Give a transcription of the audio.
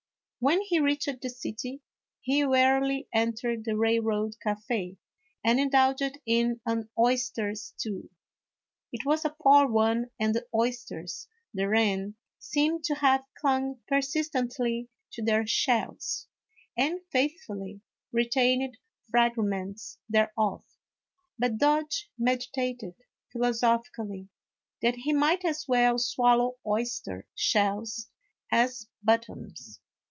When he reached the city, he wearily entered the railroad cafe', and indulged in an oyster stew; it was a poor one, and the oysters therein seemed to have clung per sistently to their shells, and faithfully retained frag ments thereof, but Dodge meditated, philosophically, that he might as well swallow oyster shells as buttons.